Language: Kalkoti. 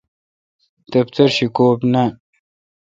دفتر شی کوبی نان۔